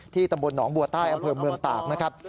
ตำบลหนองบัวใต้อำเภอเมืองตากนะครับ